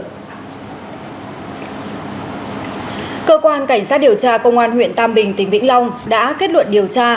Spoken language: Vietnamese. cơ quan cảnh sát điều tra công an huyện tam bình tỉnh vĩnh long đã kết luận điều tra